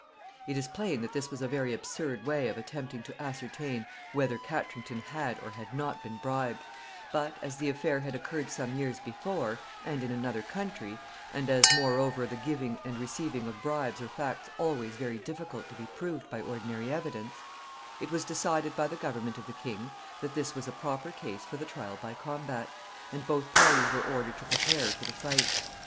] It is plain that this was a very absurd way of attempting to ascertain whether Katrington had or had not been bribed; but, as the affair had occurred some years before, and in another country, and as, moreover, the giving and receiving of bribes are facts always very difficult to be proved by ordinary evidence, it was decided by the government of the king that this was a proper case for the trial by combat, and both parties were ordered to prepare for the fight.